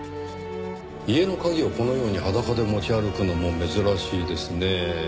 家の鍵をこのように裸で持ち歩くのも珍しいですねぇ。